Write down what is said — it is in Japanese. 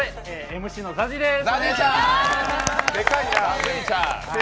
ＭＣのＺＡＺＹでーす。